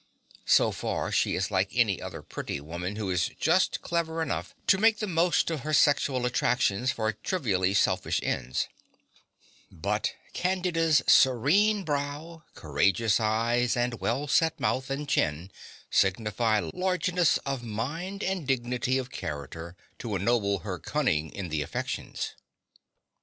So far, she is like any other pretty woman who is just clever enough to make the most of her sexual attractions for trivially selfish ends; but Candida's serene brow, courageous eyes, and well set mouth and chin signify largeness of mind and dignity of character to ennoble her cunning in the affections.